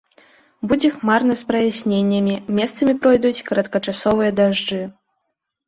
Будзе хмарна з праясненнямі, месцамі пройдуць кароткачасовыя дажджы.